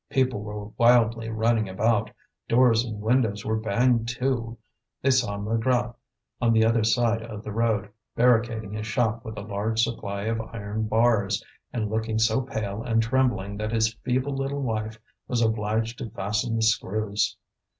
People were wildly running about; doors and windows were banged to. They saw Maigrat, on the other side of the road, barricading his shop with a large supply of iron bars, and looking so pale and trembling that his feeble little wife was obliged to fasten the screws.